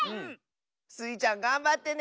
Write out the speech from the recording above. スイちゃんがんばってね！